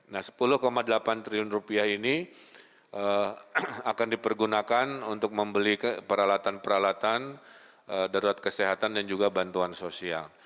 nah rp sepuluh delapan triliun rupiah ini akan dipergunakan untuk membeli peralatan peralatan darurat kesehatan dan juga bantuan sosial